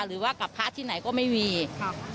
หรือว่ากับพระที่ไหนก็ไม่มีค่ะ